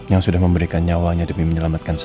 yang sudah memberikan nyawanya demi menyelamatkan